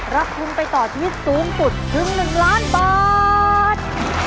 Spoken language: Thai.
รับทุนไปต่อชีวิตสูงสุดถึง๑ล้านบาท